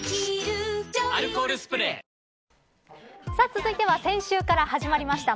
続いては先週から始まりました